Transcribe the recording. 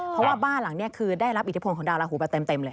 เพราะว่าบ้านหลังนี้คือได้รับอิทธิพลของดาวราหูแบบเต็มเลย